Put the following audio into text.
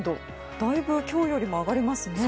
だいぶ今日よりも上がりますね。